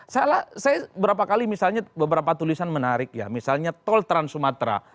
saya berapa kali misalnya beberapa tulisan menarik ya misalnya tol trans sumatera